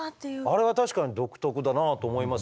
あれは確かに独特だなと思いますよね。